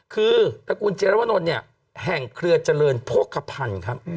คือตระกูลเจรวนลเนี่ยแห่งเครือเจริญโภคภัณฑ์ครับ